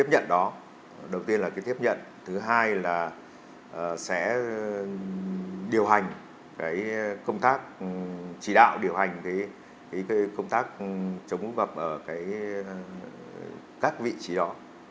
điều hành công tác chỉ đạo điều hành công tác chống gặp ở các vị trí đó